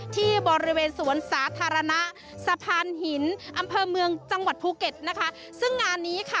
ที่บริเวณสวนสาธารณะสะพานหินอำเภอเมืองจังหวัดภูเก็ตนะคะซึ่งงานนี้ค่ะ